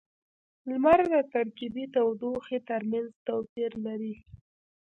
• لمر د ترکيبی تودوخې ترمینځ توپیر لري.